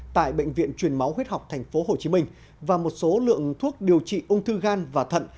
tại bệnh viện truyền máu huyết học tp hcm và một số lượng thuốc điều trị ung thư gan và thận